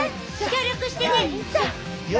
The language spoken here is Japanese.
協力してね！